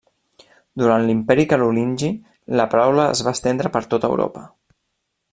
Durant l'Imperi Carolingi, la paraula es va estendre per tot Europa.